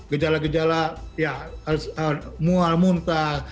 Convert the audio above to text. gejala gejala mual muntah